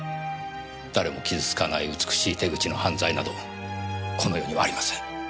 誰も傷つかない美しい手口の犯罪などこの世にはありません。